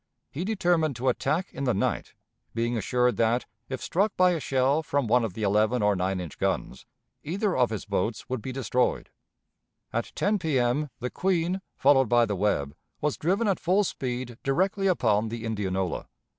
He determined to attack in the night, being assured that, if struck by a shell from one of the eleven or nine inch guns, either of his boats would be destroyed. At 10 P.M. the Queen, followed by the Webb, was driven at full speed directly upon the Indianola.